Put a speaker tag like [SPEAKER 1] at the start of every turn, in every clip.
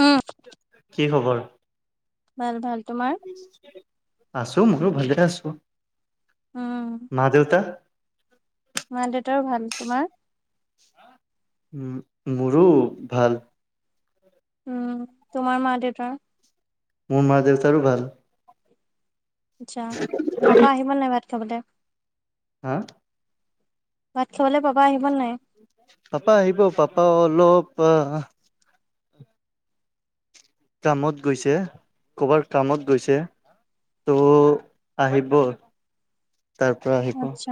[SPEAKER 1] উম,
[SPEAKER 2] কি খবৰ?
[SPEAKER 1] ভাল ভাল। তোমাৰ?
[SPEAKER 2] আছোঁ, ময়ো ভালে আছোঁ।
[SPEAKER 1] উম।
[SPEAKER 2] মা দেউতা?
[SPEAKER 1] মা দেউতাও ভাল। তোমাৰ?
[SPEAKER 2] মোৰো ভাল।
[SPEAKER 1] উম, তোমাৰ মা দেউতাৰ?
[SPEAKER 2] মোৰ মা দেউতাৰো ভাল।
[SPEAKER 1] আচ্ছা। পাপা আহিব নাই ভাত খাবলে?
[SPEAKER 2] হা?
[SPEAKER 1] ভাত খাবলৈ পাবা আহিব নে নাই?
[SPEAKER 2] পাপা আহিব, পাপা অলপ আ কামত গৈছে, ক'বাৰ কামত গৈছে ত' আহিব। তাৰপৰা আহিব
[SPEAKER 1] আচ্ছা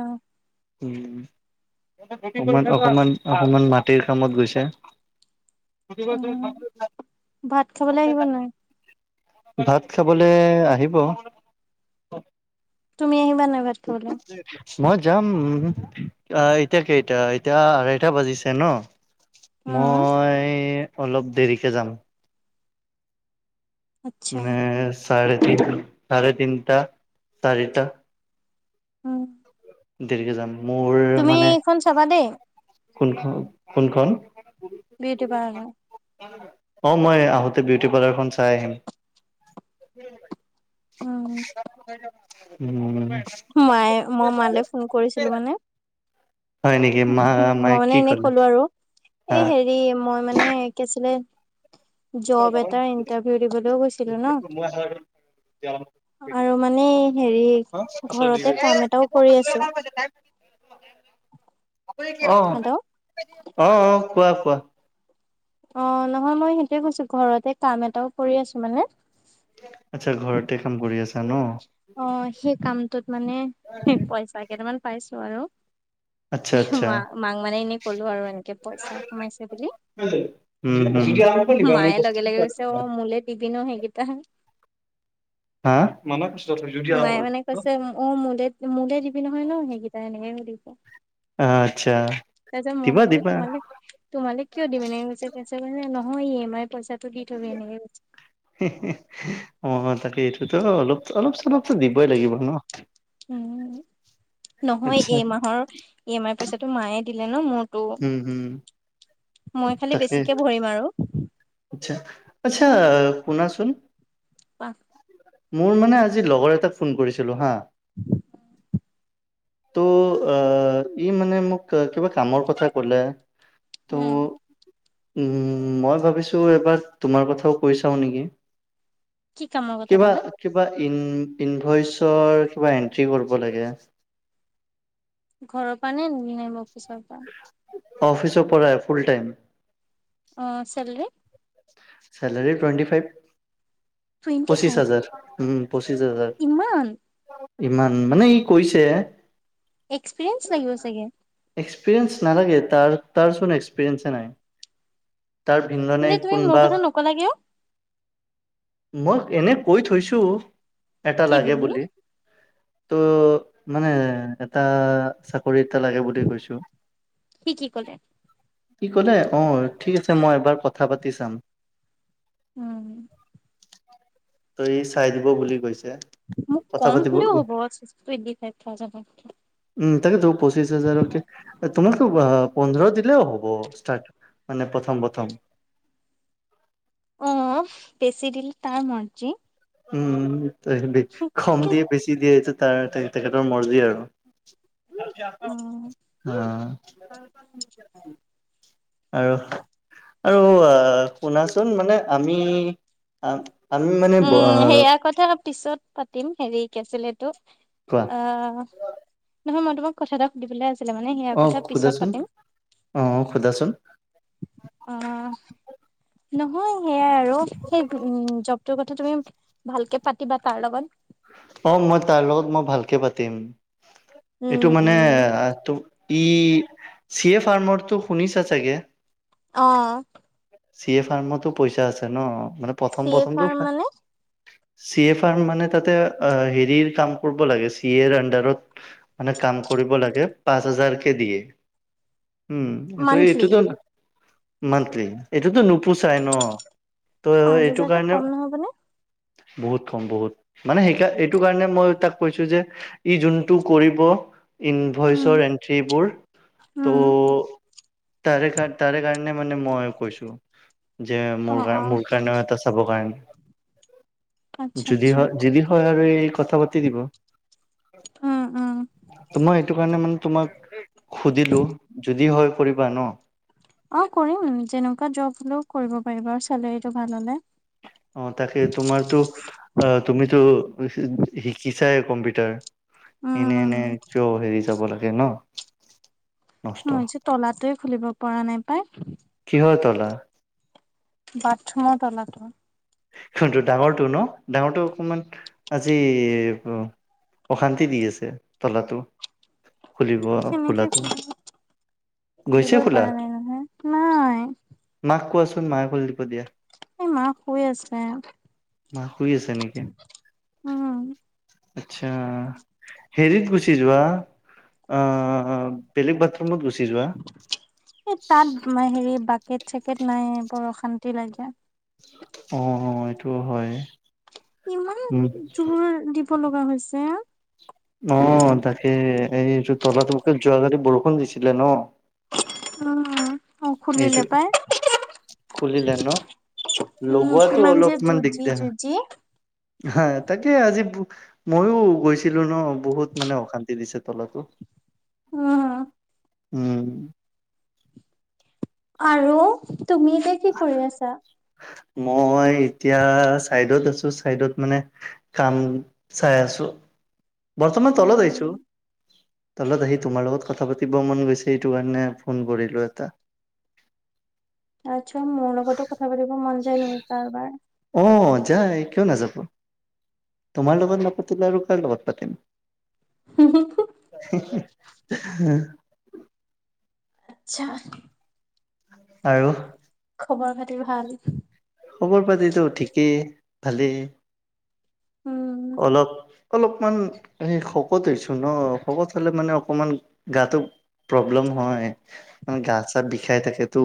[SPEAKER 2] উম। অকমান, অকমান অকমান মাটিৰ কামত গৈছে।
[SPEAKER 1] উম, ভাত খাবলে আহিব নাই?
[SPEAKER 2] [unintelligible] ভাত খাবলে আহিব।
[SPEAKER 1] তুমি আহিবা নাই ভাত খাবলে?
[SPEAKER 2] [unintelligible] মই যাম, এতিয়া কেইটা এতিয়া আঢ়াইটা বাজিছে ন'?
[SPEAKER 1] উম,
[SPEAKER 2] মই অলপ দেৰিকে যাম
[SPEAKER 1] আচ্ছা
[SPEAKER 2] মানে চাৰে তিনিটা চাৰে তিনিটা চাৰিটা
[SPEAKER 1] উম
[SPEAKER 2] দীঘজাম
[SPEAKER 1] তুমি এইখন চাবা দেই
[SPEAKER 2] কোনখন কোনখন
[SPEAKER 1] বউটি পাৰ্লাৰ
[SPEAKER 2] অ মই আহোঁতে বিউটি পাৰ্লাৰখন চাই আহিম
[SPEAKER 1] উম
[SPEAKER 2] উম
[SPEAKER 1] মায়ে মই মালে ফোন কৰিছিলো মানে
[SPEAKER 2] হয় নেকি মা
[SPEAKER 1] মই
[SPEAKER 2] মায়ে
[SPEAKER 1] মানে
[SPEAKER 2] কি
[SPEAKER 1] এনে
[SPEAKER 2] ক'লে
[SPEAKER 1] কলো আৰু
[SPEAKER 2] হা
[SPEAKER 1] এই হেৰি হেৰি মই মানে কি আছিলে জব এটা ইণ্টাৰভিউ দিবলৈও গৈছিলো ন আৰু মানে হেৰি ঘৰতে কাম এটাও কৰি আছো
[SPEAKER 2] অ
[SPEAKER 1] হেল্ল'
[SPEAKER 2] অ অ কোৱা কোৱা
[SPEAKER 1] অ নহয় মই সেইটোয়ে কৈছো ঘৰতে কাম এটাও কৰি আছো মানে
[SPEAKER 2] আচ্ছা ঘৰতে কাম কৰি আছা ন
[SPEAKER 1] অ সেই কামটোত মানে পইচা কেইটামান পাইছো আৰু
[SPEAKER 2] আচ্ছা আচ্ছা
[SPEAKER 1] মা মাং মানে এনেই ক'লো আৰু এনেকে পইচা কমাইছে বুলি
[SPEAKER 2] া
[SPEAKER 1] ভিিন হেকটা
[SPEAKER 2] হা মান কছ য
[SPEAKER 1] মায়ে মানে কৈছে অ মোলে মোলে দিবি নহয় ন সেইকেইটা এনেকে সুধিব
[SPEAKER 2] অ আচ্ছা দিবা
[SPEAKER 1] সুধিলো
[SPEAKER 2] দিবা
[SPEAKER 1] তোমালে তোমালে কিয় দিবি এনেকে গৈছে কৈছে মানে নহয় ই এম আইৰ পইচাটো দি থবি এনেকে গৈ
[SPEAKER 2] অ তাকে এইটোতো অলপ অলপ অলপো দিবই লাগিব ন
[SPEAKER 1] উ নহয়
[SPEAKER 2] আচ্ছা
[SPEAKER 1] এই মাহৰ ই এম আই পইচাটো মায়ে দিলে ন মোৰ
[SPEAKER 2] উম হম
[SPEAKER 1] মই খালি
[SPEAKER 2] তাকে
[SPEAKER 1] বেছিকে ভৰিম আৰু
[SPEAKER 2] আচ্ছা আচ্ছা কুনা আচোন
[SPEAKER 1] পথ
[SPEAKER 2] মোৰ মানে আজি লগৰ এটাক ফোন কৰিছিলো হা
[SPEAKER 1] [inaudible]
[SPEAKER 2] ত' আহ ই মানে মোক কিবা কামৰ কথা কলে ত'
[SPEAKER 1] উম
[SPEAKER 2] উম মই ভাবিছো এবাৰ তোমাৰ কথাও কৈ চাও নেকি
[SPEAKER 1] কি কামৰ কথা
[SPEAKER 2] কিবা
[SPEAKER 1] ক'লে
[SPEAKER 2] কিবা ইন ইনভইচৰ কিবা এন্ট্ৰি কৰিব লাগে
[SPEAKER 1] ঘৰৰ পৰা নে নিম অফিচৰ পৰা
[SPEAKER 2] অফিচ ও পৰ ফুল টাইম
[SPEAKER 1] অঁ চেলী
[SPEAKER 2] চালাৰী টুৱেণ্টি ফাইভ
[SPEAKER 1] টুৱেন্টি
[SPEAKER 2] পঁচিছ
[SPEAKER 1] ফাইভ
[SPEAKER 2] হাজাৰ উ পঁচিছ হাজাৰ
[SPEAKER 1] ইমান
[SPEAKER 2] ইমান মানে ই কৈছে
[SPEAKER 1] এক্সপিৰিয়েঞ্চ লাগিব চাগে
[SPEAKER 2] এক্সপিৰিেস নালাগে ত তাৰচোন এক্সপিৰিেন্ে নাই তাৰ ভিনদনে
[SPEAKER 1] ন্তু তুমি মোৰ
[SPEAKER 2] কোনোবা
[SPEAKER 1] কথা নকলা কে
[SPEAKER 2] মই এনে কৈ থৈছো এটা লাগে বুলি তো মানে এটা চা চাকৰি এটা লাগে বুলি কৈছো
[SPEAKER 1] সি কি ক'লে
[SPEAKER 2] কি কলে অ ঠিক আছে মই এবাৰ কথা পাতি চাম
[SPEAKER 1] উম,
[SPEAKER 2] সি চাই দিব বুলি কৈছে।
[SPEAKER 1] মোক
[SPEAKER 2] কথা
[SPEAKER 1] কম
[SPEAKER 2] পাতিব
[SPEAKER 1] হ'লেও হ'ব [inaudible]
[SPEAKER 2] উম, তাকে ত পঁচিশ হাজাৰক তোমালোক পোন্ধৰ দিলেও হ'ব ষ্টাৰ্ট মানে প্ৰথম প্ৰথম।
[SPEAKER 1] অ, বেছি দিলে তাৰ মৰ্জি।
[SPEAKER 2] উম, কম দিয়ে বেছি দিয়ে এইটো তাৰ তেখেতৰ মৰ্জি আৰু।
[SPEAKER 1] উম
[SPEAKER 2] আ, আৰু আৰু শুনাচোন মানে আমি আমি মানে আ
[SPEAKER 1] উম সেয়া কথা পিছত পাতিম হেৰি কি আছিলে এইটো।
[SPEAKER 2] কোৱা।
[SPEAKER 1] অ, নহয় মই তোমাক কথা এটা সুধিবলৈ আছিলে মানে সেয়া
[SPEAKER 2] অ
[SPEAKER 1] কথা পিছত
[SPEAKER 2] সোধাচোন
[SPEAKER 1] পাতিম।
[SPEAKER 2] অ সোধাচোন
[SPEAKER 1] অ, নহয় সেইয়াই আৰু সেই উ কথা তুমি ভালকে পাতিবা তাৰ লগত।
[SPEAKER 2] অ, মই তাৰ লগত মই ভালকে পাতিম।
[SPEAKER 1] উম
[SPEAKER 2] এইটো মানে
[SPEAKER 1] উম
[SPEAKER 2] তো ই চে ফাৰ্মৰটো শুনিছা চাগে।
[SPEAKER 1] অ,
[SPEAKER 2] চি এ ফাৰ্মতো পইচা আছে ন, মানে
[SPEAKER 1] চি
[SPEAKER 2] প্ৰথম
[SPEAKER 1] এ
[SPEAKER 2] প্ৰথমটো
[SPEAKER 1] ফাৰ মানে
[SPEAKER 2] চি এফাৰ্ম মানে তাতে হেৰি কাম কৰিব লাগে চি এৰ আনডাৰত। মানে কাম কৰিব লাগে পাঁচ হাজাৰ কে দিয়ে। উম,
[SPEAKER 1] মান্থলি
[SPEAKER 2] এইটোতো মানলি। এইটোতো নোপোচাই ন তো
[SPEAKER 1] পাঁচ
[SPEAKER 2] এইটো
[SPEAKER 1] হাজাৰটো
[SPEAKER 2] কাৰণেও
[SPEAKER 1] কম নহ'বনে?
[SPEAKER 2] বহুত ক, বহুত। মানে সেইকাৰ এইটো কাৰণে মই তাক কৈছো যে ই যোনটো কৰিব।
[SPEAKER 1] উম
[SPEAKER 2] ইনভইচৰ এণ্ট্ৰিবোৰ ত'
[SPEAKER 1] উম
[SPEAKER 2] তাৰে কাৰ তাৰে কাৰণে মানে মই কৈছো যে
[SPEAKER 1] অ'
[SPEAKER 2] মোৰ,
[SPEAKER 1] অ'
[SPEAKER 2] মোৰ কাৰণে এটা চ'ব গাই
[SPEAKER 1] আচ্ছা আচ্ছা।
[SPEAKER 2] যদি হয় আৰু এই কথা পাতি দিব।
[SPEAKER 1] উম উম
[SPEAKER 2] ত মই এইটো কাৰণে মানে তোমাক সুধিলো যদি হয় কৰিবা ন।
[SPEAKER 1] অ, কৰিম যেনেকুৱা জব হলেও কৰিব পাৰিব আৰু চেলেৰিটো ভাল হ'লে।
[SPEAKER 2] অ, তাকে তোমাৰতো অ তুমিতো শিকিছা কম্পিউটাৰ। এনে এনে
[SPEAKER 1] উম
[SPEAKER 2] ক হেৰি যাব লাগে ন। নষ্ট
[SPEAKER 1] মই যে তলাতোয়ে খুলিব পৰা নাই পাই।
[SPEAKER 2] কিহৰ তলা।
[SPEAKER 1] বাথৰুমৰ তলাটো।
[SPEAKER 2] কিন্তু ডাঙৰটো ন, ডাঙৰটো অকমান আজি অশান্তি দি আছে তলাটো খুলিব
[SPEAKER 1] নেকে
[SPEAKER 2] খোলাটো
[SPEAKER 1] খ
[SPEAKER 2] গৈছে
[SPEAKER 1] খুলিবই
[SPEAKER 2] খোলা
[SPEAKER 1] পৰা নাই নহয়, নাই।
[SPEAKER 2] মাক কোৱাচোন মায়ে কল দীপ দিয়া।
[SPEAKER 1] এই মা শুই আছে।
[SPEAKER 2] মা শুই আছে নেকি।
[SPEAKER 1] উম
[SPEAKER 2] আচ্ছা, হেৰিত গুচি যোৱা আহ। বেলেগ বাথৰুমত গুচি যোৱা।
[SPEAKER 1] তোমাৰ হেৰি বাকেট-চাকেত নাই বৰ অশান্তি লাগে।
[SPEAKER 2] অ', এইটোও হয়।
[SPEAKER 1] ইমান
[SPEAKER 2] উম
[SPEAKER 1] জোৰ দিব লগা হৈছে।
[SPEAKER 2] অ', তাকে এই ৰ তলতকে যোৱাকালি বৰষুণ দিছিলে ন।
[SPEAKER 1] অ', অ',
[SPEAKER 2] এইটো
[SPEAKER 1] খুলিলে পাই।
[SPEAKER 2] খুলিলে ন?
[SPEAKER 1] উম
[SPEAKER 2] লগোৱাটো
[SPEAKER 1] কিমান যে
[SPEAKER 2] অলপমান
[SPEAKER 1] যুঁজি
[SPEAKER 2] দিগদাৰ।
[SPEAKER 1] যুঁজি
[SPEAKER 2] হা, তাকে আজি মইও গৈছ ছিলো ন, বহুত মানে অশান্তি দিছে তলাতো।
[SPEAKER 1] উম, হু।
[SPEAKER 2] উম,
[SPEAKER 1] আৰু তুমি এতিয়া কি কৰি আছা?
[SPEAKER 2] মই এতিয়া চাইডত আছোঁ, চাইডত মানে কাম চাই আছোঁ। বৰ্তমান তলত
[SPEAKER 1] উম
[SPEAKER 2] আহিছোঁ। তলত আহি তোমাৰ লগত কথা পাতিব মন গৈছে, এইটো কাৰণে ফোন কৰিলোঁ এটা।
[SPEAKER 1] আচ্ছা, মোৰ লগতো কথা পাতিব মন যায় নেকি কাৰবাৰ।
[SPEAKER 2] অ', যায় কিয় নাযাব। তোমাৰ লগত নাপাতিলে আৰু কাৰ লগত পাতিম।
[SPEAKER 1] [unintelligible]
[SPEAKER 2] [unintelligible]
[SPEAKER 1] [unintelligible]
[SPEAKER 2] আৰু,
[SPEAKER 1] খবৰ খাতি ভাল?
[SPEAKER 2] খবৰ পাতিতো ঠিকেই-ভালেই।
[SPEAKER 1] উম
[SPEAKER 2] অলপ-অলপমান এই শকত হৈছো ন, শকত হ'লে মানে অকমান গাটো প্ৰব্লেম হয়, [unintelligible] গা চা বিষাই থাকেতো।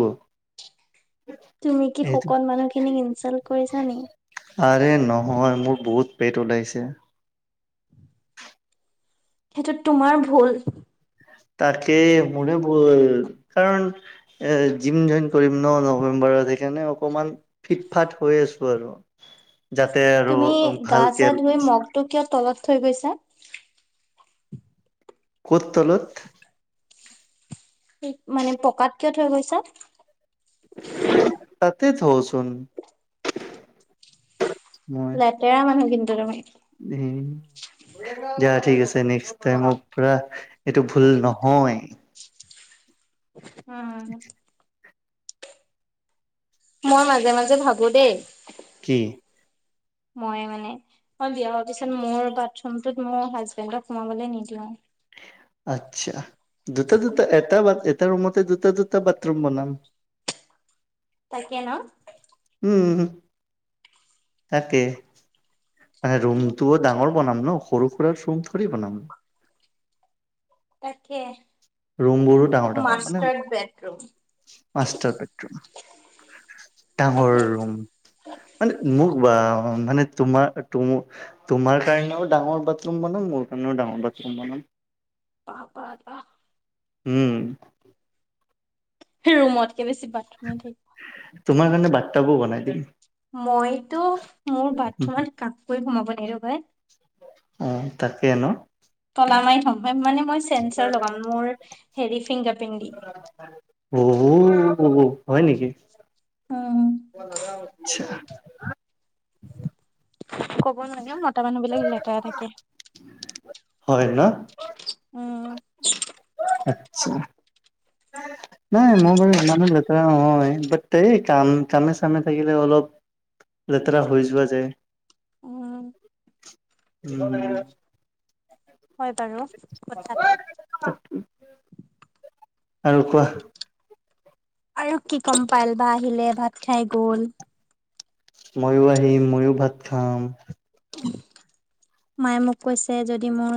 [SPEAKER 1] তুমি কি
[SPEAKER 2] সেইটো
[SPEAKER 1] সকত মানুহখিনিক ইনচাল্ট কৰিছা নেকি?
[SPEAKER 2] আৰে নহয় মোৰ বহুত পেট ওলাইছে।
[SPEAKER 1] সেইটো তোমাৰ ভুল।
[SPEAKER 2] তাকে মোৰে ভুল কাৰণ এ, জিম জইন কৰিম ন নৱেম্বৰত, সেইকাৰণে অকমান ফিট ফাত হৈ আছোঁ আৰু। যাতে আৰু
[SPEAKER 1] তুমি গা চা
[SPEAKER 2] ভালকে
[SPEAKER 1] [inaudible] কিয় তলত থৈ গৈছা?
[SPEAKER 2] ক'ত তলত?
[SPEAKER 1] মানে পকাত কিয় থৈ গৈছা?
[SPEAKER 2] তাতে থওঁচোন।
[SPEAKER 1] লেতেৰা মানুহ কিন্তু তুমি।
[SPEAKER 2] উম, যা ঠিক আছে নেক্স [inaudible] পুৰা এইটো ভুল নহয়।
[SPEAKER 1] উম, মই মাজে-মাজে ভাবো দেই,
[SPEAKER 2] কি?
[SPEAKER 1] মই মানে মই বিয়া হোৱাৰ পিছত মোৰ বাথৰুমটোত, মোৰ হাজবেণ্ডক সোমাবলে নিদিওঁ।
[SPEAKER 2] আটচ্ছা দুটা-দুটা, এটা-এটা ৰুমতে দুটা-দুটা বাথৰুম বনাম।
[SPEAKER 1] তাকে ন'?
[SPEAKER 2] উম, তাকে মানে ৰুমটো ডাঙৰ বনাম ন', সৰু-সুৰা ৰুম থৰি বনাম।
[SPEAKER 1] তাকে।
[SPEAKER 2] ৰুম বোৰো ডাঙৰ-ডাঙৰ মানে
[SPEAKER 1] মাষ্টাৰ্ড বেডৰুম।
[SPEAKER 2] Master bedroom. ডাঙৰ
[SPEAKER 1] তাকে।
[SPEAKER 2] ৰুম। মানে মোক [unintelligible] মানে তোমাৰ [unintelligible] তোমাৰ কাৰণেও ডাঙৰ বাথৰুম বনাম মোৰ কাৰণেও ডাঙৰ বাথৰুম বনাম।
[SPEAKER 1] [inaudible]
[SPEAKER 2] উম।
[SPEAKER 1] ৰুমতকে বেছি বাথৰুমে থিক।
[SPEAKER 2] তোমাৰ কাৰণে বাটতাবো বনাই দিম।
[SPEAKER 1] মইতো মোৰ বাথৰুমত কাকোৱে সোমাব নিদো ভাই।
[SPEAKER 2] উম, তাকে ন'?
[SPEAKER 1] তলা মাৰি থম মানে মই চেঞ্চাৰ লগাম মোৰ হেৰি ফিংগাৰ প্ৰিন্ট দি।
[SPEAKER 2] [unintelligible] [unintelligible] হয় নেকি?
[SPEAKER 1] উম।
[SPEAKER 2] [unintelligible]
[SPEAKER 1] কব নালাগে মতা মানুহ বিলাক লেতেৰা থাকে।
[SPEAKER 2] হয় ন'?
[SPEAKER 1] উম।
[SPEAKER 2] আতছা। নাই মই বাৰু ইমানো লেতেৰা নহয় বাট এই কাম কামে চামে থাকিলে অলপ লেতেৰা হৈ যোৱা যায়,
[SPEAKER 1] উম,
[SPEAKER 2] উম।
[SPEAKER 1] হয় বাৰু। কথাটো।
[SPEAKER 2] আৰু কোৱা
[SPEAKER 1] আৰু কি ক'ম পাল বা আহিলে ভাত খাই গ'ল।
[SPEAKER 2] মইয়ো আহিম ময়ো ভাত খাম।
[SPEAKER 1] মায়ে মোক কৈছে যদি মোৰ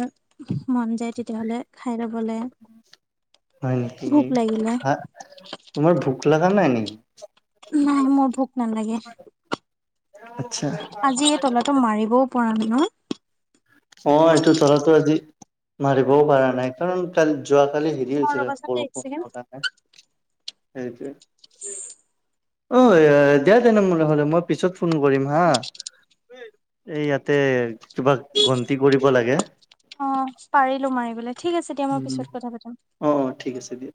[SPEAKER 1] মন যায় তেতিয়াহ'লে খাই ল'বলে।
[SPEAKER 2] হয় নেকি?
[SPEAKER 1] ভোক লাগিলে,
[SPEAKER 2] তোমাৰ ভোক লাগা নাই নি?
[SPEAKER 1] নাই মোৰ ভোক নালাগে,
[SPEAKER 2] আচ্ছা,
[SPEAKER 1] আজি এই তলাটো মাৰিবও পৰা ন
[SPEAKER 2] অ', এইটো তলাটো আজি মাৰিবও পৰা নাই। কাৰণ কাল যোৱাকালি হেৰি
[SPEAKER 1] অ',
[SPEAKER 2] হৈছিলে
[SPEAKER 1] ৰ'বাচোন দেই এক ছেকেণ্ড,
[SPEAKER 2] বৰষুণৰ কাৰণে। সেইটোৱে ঐ দিয়া তেনে [unintelligible] পিছত ফোন কৰিম হা এই ইয়াতে কিবা গনতি কৰিব লাগে।
[SPEAKER 1] অ', পাৰিলো মাৰিবলে ঠিক আছে দিয়া মই
[SPEAKER 2] উম,
[SPEAKER 1] পিছত কথা পাতিম।
[SPEAKER 2] অ', ঠিক আছে দিয়া।